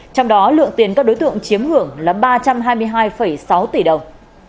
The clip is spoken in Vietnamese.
trong đó lượng tiền các đối tượng chiếm hưởng là ba trăm hai mươi hai sáu tỷ đồng